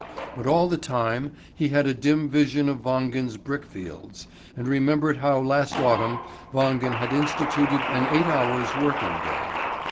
But all the time he had a dim vision of Wangen's brickfields, and remembered how last autumn Wangen had instituted an eight hours working day.